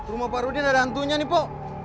rumah pak rudi ada hantunya nih pak